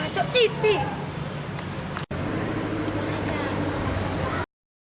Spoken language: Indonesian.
sekitar jam satu